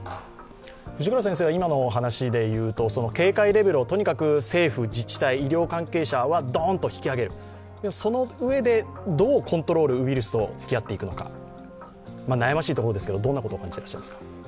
今の話でいうと、警戒レベルを政府、自治体、医療関係者はどんと引き上げる、そのうえでどうコントロール、ウイルスとつきあっていくのか悩ましいところですが、どんなことを感じていらっしゃいますか。